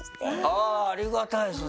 あぁありがたいですね。